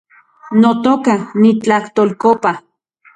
Notoka , nitlajtolkopa